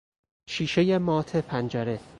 شیشهی مات پنجره